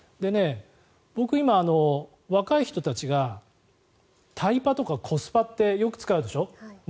僕、今、若い人たちがタイパとかコスパってよく使うでしょ。